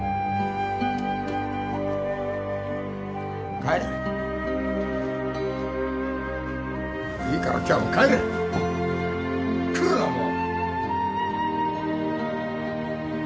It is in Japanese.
帰れもういいから今日はもう帰れ来るなもう！